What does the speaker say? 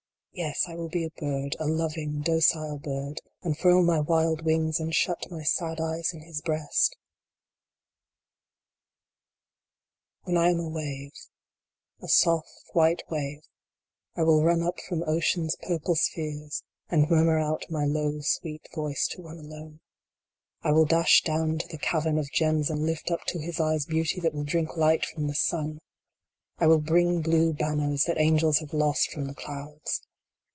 Yes, I will be a bird a loving, docile bird and furl my wild wings, and shut my sad eyes in his breast ! V. When I am a wave a soft, white wave I will run up from ocean s purple spheres, and murmur out my low sweet voice to one alone. I will dash down to the cavern of gems and lift up to his eyes Beauty that will drink light from the Sun ! I will bring blue banners that angels have lost from the clouds.